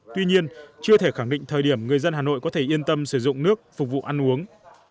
tuy nhiên chưa thể khẳng định thời điểm người dân hà nội có thể yên tâm sử dụng nước phục vụ ăn uống